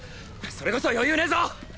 それこそ余裕ねぞ！